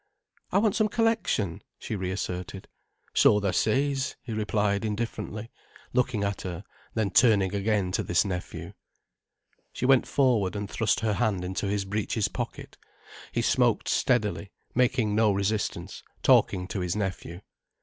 "I want some collection," she reasserted. "So tha says," he replied indifferently, looking at her, then turning again to this nephew. She went forward, and thrust her hand into his breeches pocket. He smoked steadily, making no resistance, talking to his nephew.